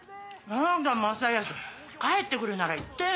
ヤダ正恭帰ってくるなら言ってよ。